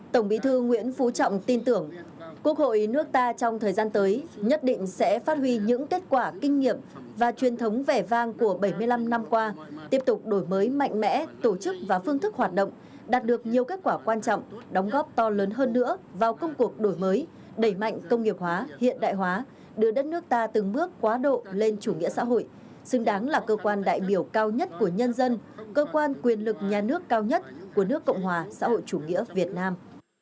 tổng bí thư nguyễn phú trọng tin tưởng quốc hội nước ta trong thời gian tới nhất định sẽ phát huy những kết quả kinh nghiệm và truyền thống vẻ vang của bảy mươi năm năm qua tiếp tục đổi mới mạnh mẽ tổ chức và phương thức hóa hiện đại hóa đưa đất nước ta từng bước quá độ lên chủ nghĩa xã hội xứng đáng là cơ quan đại biểu cao nhất của nhân dân cơ quan quyền lực nhà nước cao nhất của nước cộng hòa xã hội chủ nghĩa việt nam